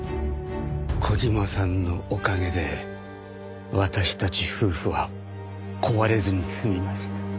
小島さんのおかげで私たち夫婦は壊れずに済みました。